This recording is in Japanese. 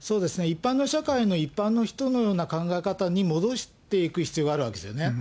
一般の社会の一般の人のような考え方に戻していく必要があるわけですよね。